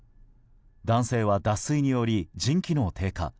男性は脱水により腎機能低下。